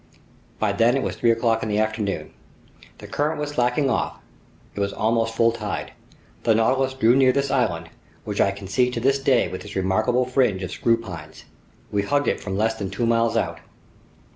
By then it was three o'clock in the afternoon. The current was slacking off, it was almost full tide. The Nautilus drew near this island, which I can see to this day with its remarkable fringe of screw pines. We hugged it from less than two miles out.